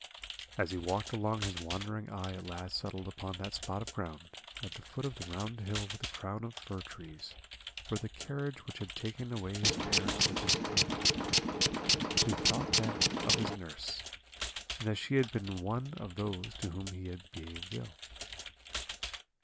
"As he walked along his wandering eye at last settled upon that spot of ground, at the foot of the round hill with the crown of fir trees, where the carriage which had taken away his parents had disappeared. He thought then of his nurse, and that she had been one of those to whom he had behaved ill.